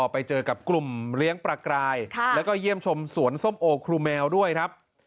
ไปเจอกับกลุ่มเลี้ยงปลากรายแล้วก็เยี่ยมชมสวนส้มโอครูแมวด้วยครับ